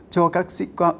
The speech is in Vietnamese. cho các sĩ quan